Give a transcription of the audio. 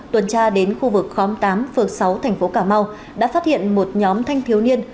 tuần tra đến khu vực khóm tám phường sáu thành phố cà mau đã phát hiện một nhóm thanh thiếu niên